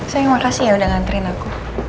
sayang makasih ya udah ngantrin aku